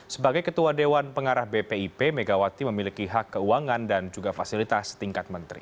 sebagai ketua dewan pengarah bpip megawati memiliki hak keuangan dan juga fasilitas setingkat menteri